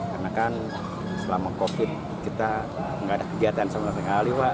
karena kan selama covid sembilan belas kita nggak ada kegiatan semenengah tengah hari wak